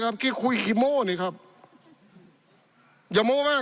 ปี๑เกณฑ์ทหารแสน๒